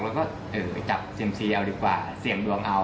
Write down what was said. แล้วก็ไปจับเซียมซีเอาดีกว่าเสี่ยงดวงเอา